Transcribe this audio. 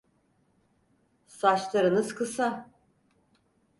Saçlarınız kısa…